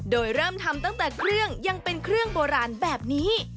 โดยเริ่มทำตั้งแต่เครื่องยังเป็นเครื่องโบราณแบบนี้